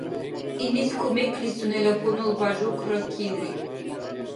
Илис кумеклис сунела хьунул Бяжукра килри